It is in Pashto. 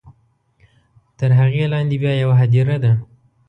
تر هغې لاندې بیا یوه هدیره ده.